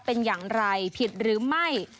เป็นอย่างไรผิดหรือไม่